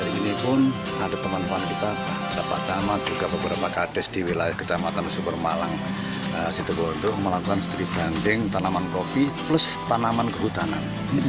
di sini pun ada pemanfaan kita dapat sama juga beberapa kades di wilayah kecamatan sumber malang situ bondo melakukan setelah dibanding tanaman kopi plus tanaman kehutanan